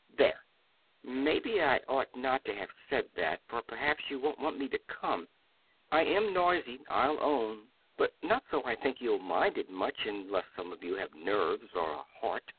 "There! Maybe I ought not to have said that, for perhaps you won't want me to come. I AM noisy, I'll own, but not so I think you'll mind it much unless some of you have 'nerves' or a 'heart.'